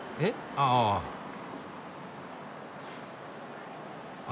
あああ。